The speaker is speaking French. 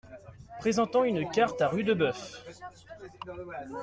Présentant une carte à Rudebeuf.